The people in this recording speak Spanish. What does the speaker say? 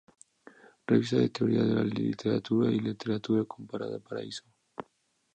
Revista de Teoría de la Literatura y Literatura Comparada, Paraíso.